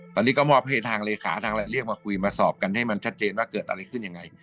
ตอนนี้ก็มอบให้ทางเลขาทางอะไรเรียกมาคุยมาสอบกันให้มันชัดเจนว่าเกิดอะไรขึ้นยังไง